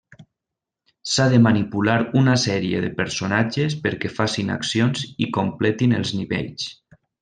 S'ha de manipular una sèrie de personatges perquè facin accions i completin els nivells.